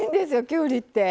きゅうりって。